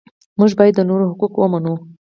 موږ باید د نورو حقوق ومنو.